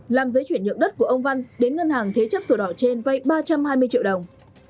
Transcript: làm giấy chuyển nhượng đất của ông văn đến ngân hàng thế chấp sổ đỏ trên vay ba trăm hai mươi triệu đồng